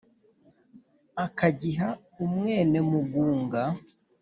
akagiha umwénemugunga